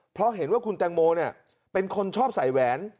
เพราะเห็นว่าคุณแตงโมเป็นคนชอบใส่แหวน